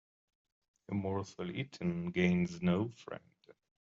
A morsel eaten gains no friend.